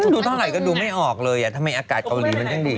ดูเท่าไหร่ก็ดูไม่ออกเลยอ่ะทำไมอากาศเกาหลีมันยังดี